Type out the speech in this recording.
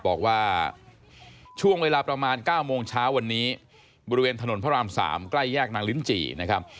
บอกว่าช่วงเวลาประมาณ๙โมงเช้าวันนี้บริเวณถนนพระราม๓ใกล้แยกนางลิ้นจี่นะครับ